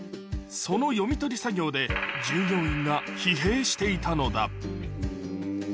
その読み取り作業で、従業員が疲弊していたのだ。